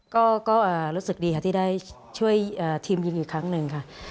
ก็รู้สึกดีค่ะที่ได้ช่วยทีมยิมอีกครั้งหนึ่งค่ะ